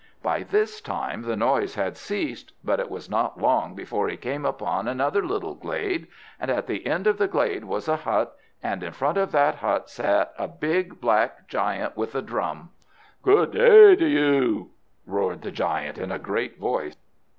By this time the noise had ceased, but it was not long before he came upon another little glade, and at the end of the glade was a hut, and in front of that hut sat a big black giant with a drum. "Good day to you!" roared the giant, in a great voice.